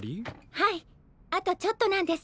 はいあとちょっとなんです。